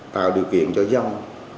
tạo điều kiện cho dòng